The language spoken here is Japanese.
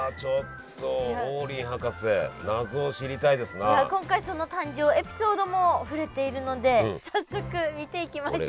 これはちょっと今回その誕生エピソードも触れているので早速見ていきましょう。